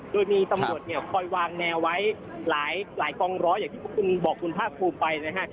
โดยมีตำรวจเนี่ยคอยวางแนวไว้หลายกองร้อยอย่างที่พวกคุณบอกคุณภาคภูมิไปนะฮะ